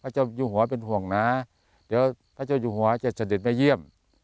พระเจ้ายุหเป็นห่วงนาเดี๋ยวประเจ้าห่วงนาจะเฉิดมาเยี่ยม